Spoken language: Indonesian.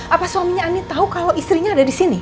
apa suaminya andin tau kalau istrinya ada disini